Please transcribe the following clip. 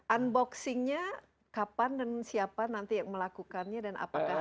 unboxing nya kapan dan siapa nanti yang melakukannya dan apakah ada event